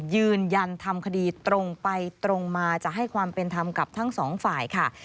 ยืนยันทำคดีตรงไปตรงมาจะให้ความเป็นธรรมกับทั้งสองฝ่ายค่ะ